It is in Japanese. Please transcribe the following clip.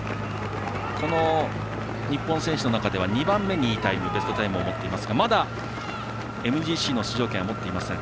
この日本選手の中では２番目にいいタイムベストタイムを持っていますがまだＭＧＣの出場権は持っていません。